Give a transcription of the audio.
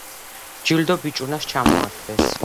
ჯილდო ბიჭუნას ჩამოართვეს.